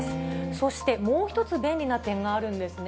そしてもうひとつ便利な点があるんですね。